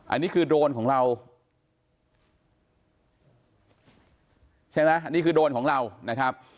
อันนี้คือโดรนของเราใช่ไหมนี่คือโดรนของเรานะครับ